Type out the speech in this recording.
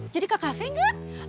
jadi ke kafe gak